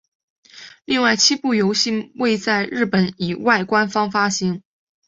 另外七部游戏未在日本以外官方发行。